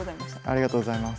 ありがとうございます。